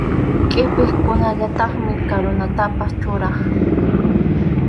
Qʼipiqkunallataqmi karunatapas churaq.